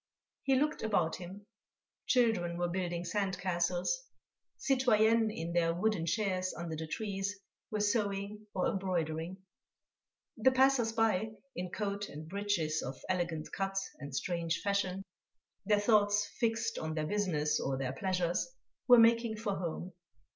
He looked about him. Children were building sand castles. Citoyennes in their wooden chairs under the trees were sewing or embroidering. The passers by, in coat and breeches of elegant cut and strange fashion, their thoughts fixed on their business or their pleasures, were making for home.